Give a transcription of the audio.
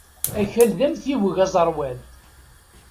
Akal d amtiweg aẓerwal.